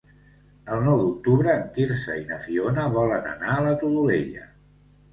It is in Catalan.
El nou d'octubre en Quirze i na Fiona volen anar a la Todolella.